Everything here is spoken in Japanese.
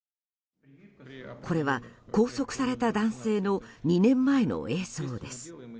これは拘束された男性の２年前の映像です。